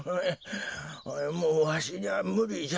もうわしにはむりじゃ。